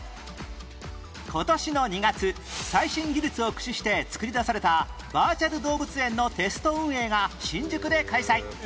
今年の２月最新技術を駆使して作り出されたバーチャル動物園のテスト運営が新宿で開催